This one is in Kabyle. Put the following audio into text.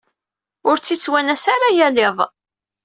Ur tt-yettwanas ara yal iḍ.